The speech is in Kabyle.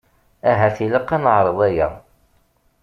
Ahat ilaq ad neεreḍ aya.